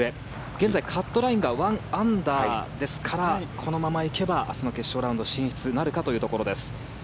現在カットライン１アンダーですからこのままいけば明日の決勝ラウンド進出なるかというところです。